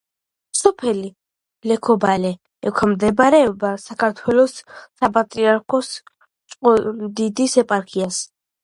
სოფელი ლექობალე ექვემდებარება საქართველოს საპატრიარქოს ჭყონდიდის ეპარქიას.